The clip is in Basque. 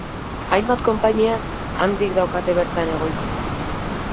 Hainbat konpainia handik daukate bertan egoitza.